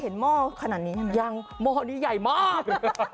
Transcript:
ใหญ่จริง